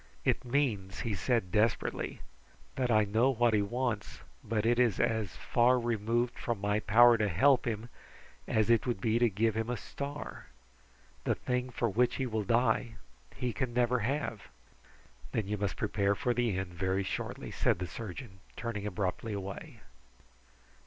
"It means," he said desperately, "that I know what he wants, but it is as far removed from my power to help him as it would be to give him a star. The thing for which he will die, he can never have." "Then you must prepare for the end very shortly" said the surgeon, turning abruptly away.